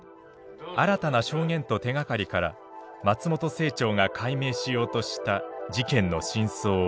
新たな証言と手がかりから松本清張が解明しようとした事件の真相を追う。